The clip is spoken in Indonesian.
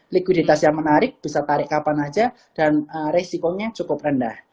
likuiditas yang menarik bisa tarik kapan saja dan resikonya cukup rendah